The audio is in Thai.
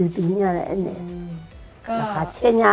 ดีเยอะ